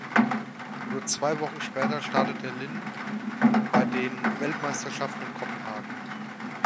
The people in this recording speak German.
Nur zwei Wochen später startete Lin bei den Weltmeisterschaften in Kopenhagen.